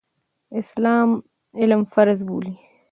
اسلام علم فرض بولي.